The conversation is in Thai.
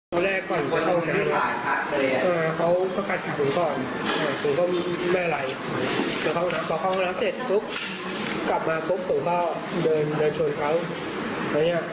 พอห้องน้ำเสร็จปุ๊บกลับมาปุ๊บผมก็เดินชนเขา